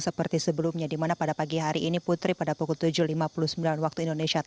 seperti sebelumnya dimana pada pagi hari ini putri pada pukul tujuh lima puluh sembilan wib